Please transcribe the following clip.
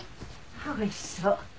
あっおいしそう。